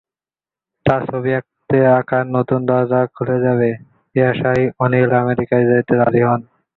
তার ছবি আঁকার নূতন দরজা খুলে যাবে, এই আশায় অনিল আমেরিকা যেতে রাজি হন।